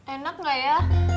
enak gak ya